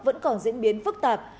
vẫn còn diễn biến phức tạp